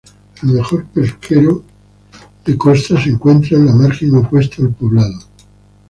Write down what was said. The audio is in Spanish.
El mejor pesquero de costa se encuentra en la margen opuesta al poblado.